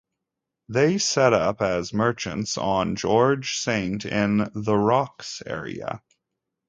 They set up as merchants on George Saint, in The Rocks area.